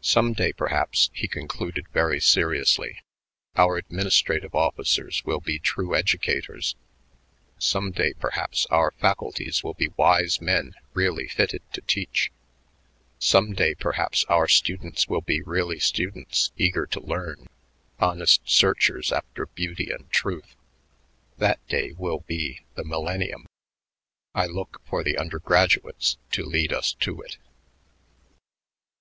"Some day, perhaps," he concluded very seriously, "our administrative officers will be true educators; some day perhaps our faculties will be wise men really fitted to teach; some day perhaps our students will be really students, eager to learn, honest searchers after beauty and truth. That day will be the millennium. I look for the undergraduates to lead us to it."